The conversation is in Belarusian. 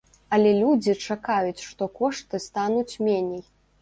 Але людзі чакаюць, што кошты стануць меней.